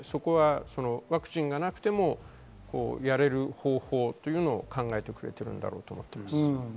ワクチンがなくてもやれる方法というのを考えてくれているんだろうと思います。